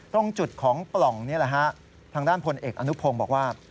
ตรงจุดของปล่องนี่แหละฮะทางด้านพลเอกอนุพงศ์บอกว่า